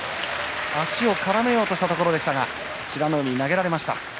足を絡めようとしたところでしたが美ノ海、投げられました。